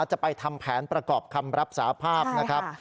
จะไปทำแผนประกอบคำรับสาภาพนะครับ